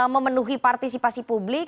memenuhi partisipasi publik